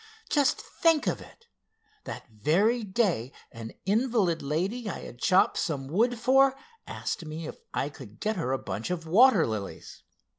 Just think of it! that very day an invalid lady I had chopped some wood for, asked me if I could get her a bunch of water lilies.